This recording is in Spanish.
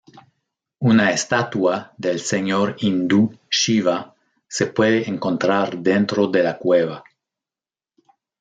Una estatua del señor hindú Shiva se puede encontrar dentro de la cueva.